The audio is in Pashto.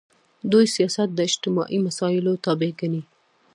دوی سیاست د اجتماعي مسایلو تابع ګڼي.